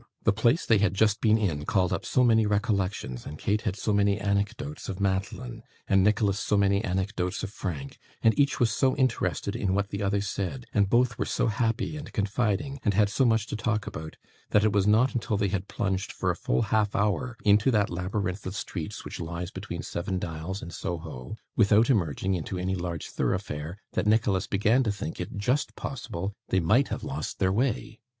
The place they had just been in called up so many recollections, and Kate had so many anecdotes of Madeline, and Nicholas so many anecdotes of Frank, and each was so interested in what the other said, and both were so happy and confiding, and had so much to talk about, that it was not until they had plunged for a full half hour into that labyrinth of streets which lies between Seven Dials and Soho, without emerging into any large thoroughfare, that Nicholas began to think it just possible they might have lost their way.